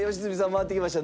回ってきました。